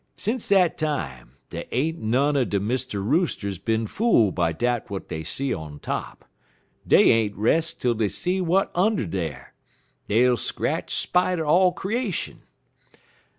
Since dat time, dey ain't none er de Mr. Roosters bin fool' by dat w'at dey see on top. Dey ain't res' twel dey see w'at und' dar. Dey'll scratch spite er all creation."